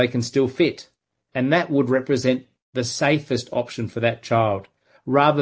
yang menjaga mereka berpengaruh